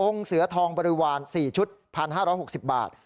เสือทองบริวาร๔ชุด๑๕๖๐บาท